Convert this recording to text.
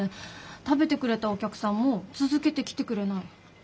食べてくれたお客さんも続けて来てくれない。